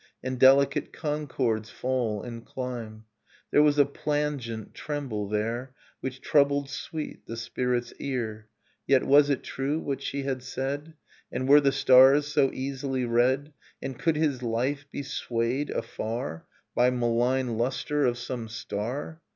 And delicate concords fall and climb: There was a plangent tremble here Which troubled sweet the spirit's ear ... Yet was it true, what she had said, — And were the stars so easily read, And could his life be swayed afar By malign lustre of some star?